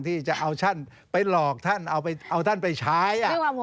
ที่จะเอาท่านไปหลอกท่านเอาท่านไปใช้